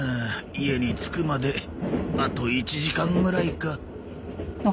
家に着くまであと１時間ぐらいか。